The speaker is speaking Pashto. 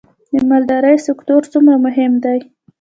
د مالدارۍ سکتور څومره مهم دی؟